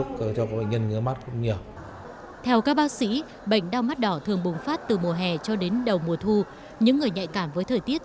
nên bệnh nhân đau mắt đỏ thường bùng phát từ mùa hè cho đến đầu mùa thu